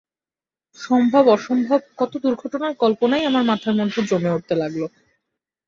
সম্ভব অসম্ভব কত দুর্ঘটনার কল্পনাই আমার মাথার মধ্যে জমে উঠতে লাগল।